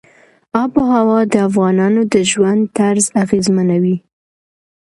آب وهوا د افغانانو د ژوند طرز اغېزمنوي.